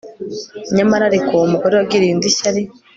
nyamara ariko, umugore wagiriye undi ishyari